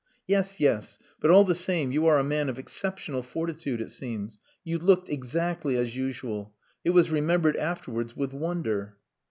"Yes, yes. But all the same you are a man of exceptional fortitude, it seems. You looked exactly as usual. It was remembered afterwards with wonder...."